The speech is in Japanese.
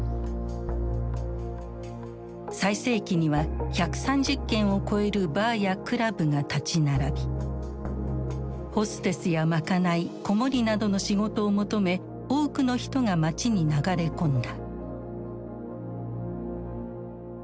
最盛期には１３０軒を超えるバーやクラブが立ち並びホステスや賄い子守りなどの仕事を求め多くの人が街に流れ込んだ。